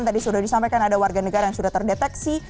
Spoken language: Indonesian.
tadi sudah disampaikan ada warga negara yang sudah terdeteksi